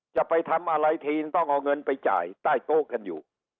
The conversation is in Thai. จะไปทำอะไรทีนต้องเอาเงินไปจ่ายใต้โต๊ะกันอยู่